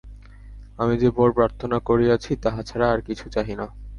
আমি যে-বর প্রার্থনা করিয়াছি, তাহা ছাড়া আর কিছু চাহি না।